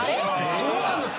そうなんですか？